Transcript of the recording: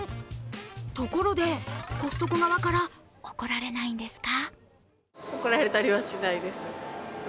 ところで、コストコ側から怒られないんですか？